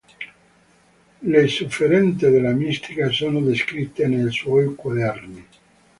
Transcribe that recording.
Le sofferenze della mistica sono descritte nei suoi quaderni.